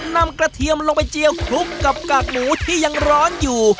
นำกระเทียมลงไปเจียวคลุกกับกากหมูที่ยังร้อนอยู่